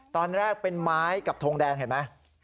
ตอนแรกเป็นไม้กับทงแดงเห็นไหม